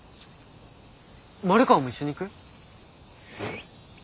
丸川も一緒に行く？